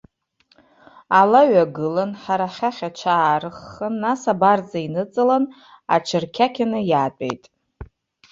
Ала ҩагылан, ҳара ҳахь аҽаарыххан, нас абарҵа иныҵалан, аҽырқьақьаны иаатәеит.